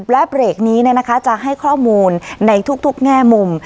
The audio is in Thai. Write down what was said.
และเบรกนี้จะให้ข้อมูลในทุกแง่มุม